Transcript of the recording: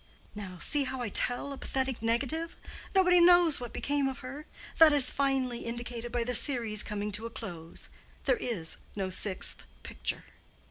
Now, see how I tell a pathetic negative. Nobody knows what became of her—that is finely indicated by the series coming to a close. There is no sixth picture."